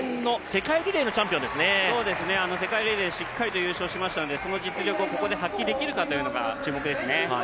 世界リレー、しっかり優勝しましたのでその実力を発揮できるかというところが注目です。